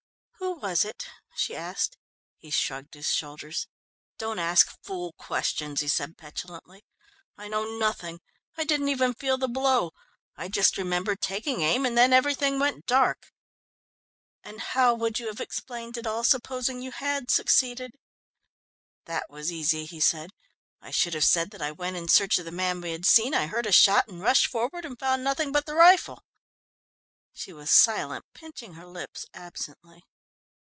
"Who was it?" she asked. He shrugged his shoulders. "Don't ask fool questions," he said petulantly. "I know nothing. I didn't even feel the blow. I just remember taking aim, and then everything went dark." "And how would you have explained it all, supposing you had succeeded?" "That was easy," he said. "I should have said that I went in search of the man we had seen, I heard a shot and rushed forward and found nothing but the rifle." She was silent, pinching her lips absently.